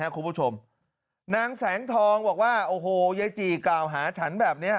คุณผู้ชมนางแสงทองบอกว่าโอ้โหยายจี่กล่าวหาฉันแบบนี้